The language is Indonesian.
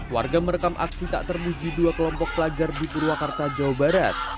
warga merekam aksi tak termuji dua kelompok pelajar di purwakarta jawa barat